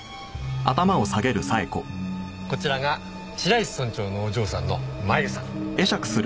こちらが白石村長のお嬢さんの麻由さん。